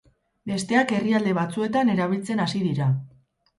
Besteak herrialde batzuetan erabiltzen hasi dira.